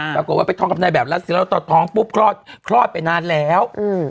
ปรากฏว่าไปท้องกับนายแบบรัสซิแล้วตอนท้องปุ๊บคลอดคลอดไปนานแล้ว